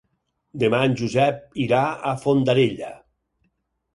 Demà en Josep irà a Fondarella.